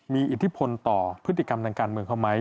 มีอิทธิพลต่อพฤติกรรมทางการเมืองเขาไหม